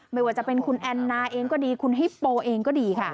ไม่ว่าจะเป็นคุณแอนนาเองก็ดีคุณฮิปโปเองก็ดีค่ะ